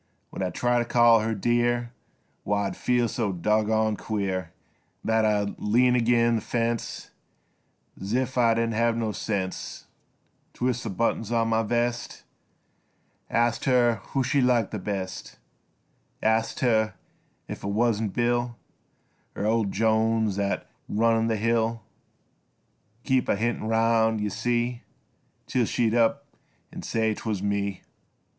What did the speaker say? When I'd try to call her dear Why I'd feel so doggoned queer That I'd lean ag'in' th' fence Zif I didn' hev no sense Twist th' buttons on my vest, Ast her who she liked th' best, Ast her if it wuzn't Bill Er old Jones thet run th' mill, Keep a hintin' 'round yuh see Till she'd up an' say 'twuz me.